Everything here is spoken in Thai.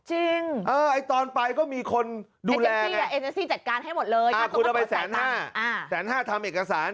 จริงไอ้ตอนไปก็มีคนดูแลแหละคุณเอาไปแสนห้าแสนห้าทำเอกสาร